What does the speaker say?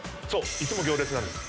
いつも行列なんです。